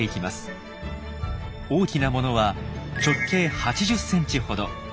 大きなものは直径８０ｃｍほど。